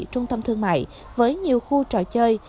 trung tâm thương mại với nhiều khu trò chơi